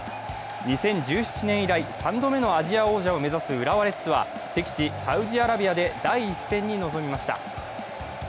２０１７年以来、３度目のアジア王者を目指す浦和レッズは敵地・サウジアラビアで第１戦に臨みました。